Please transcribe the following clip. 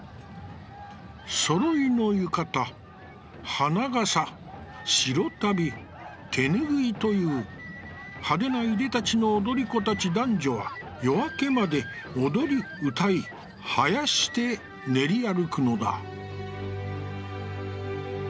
揃いの浴衣、花笠、白足袋、手拭という派手ないでたちの踊り子たち男女は、夜明けまで踊り歌い、囃して練り歩くのだ」。